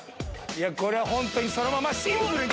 これホントにそのままシンプルに！